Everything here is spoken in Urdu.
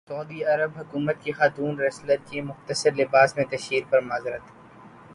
سعودی عرب حکومت کی خاتون ریسلر کی مختصر لباس میں تشہیر پر معذرت